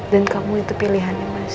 dan kamu itu pilihannya mas